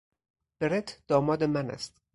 برت داماد من است.